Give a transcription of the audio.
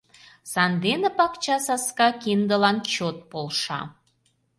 Сандене пакча саска киндылан чот полша.